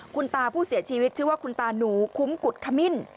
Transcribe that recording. คุณตาผู้เสียชีวิตชื่อว่าคุณตาหนูคุ้มกุฎขมิ้น